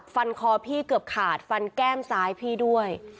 คอพี่เกือบขาดฟันแก้มซ้ายพี่ด้วย